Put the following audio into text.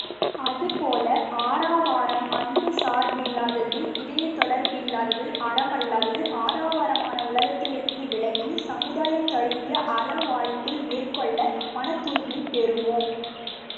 அதுபோல ஆரவாரம் அன்புச்சார்பில்லாதது இதயத்தொடர்பில்லாதது அறமல்லாதது ஆரவாரமான உலகத்திலிருந்து விலகி, சமுதாயம் தழுவிய அறவாழ்க்கையை மேற்கொள்ள மனத்தூய்மை பெறுவோம்.